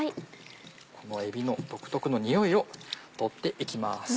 このえびの独特のにおいを取って行きます。